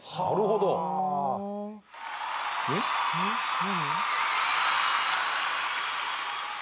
何？